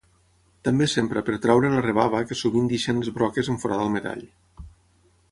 També s'empra per treure la rebava que sovint deixen les broques en foradar el metall.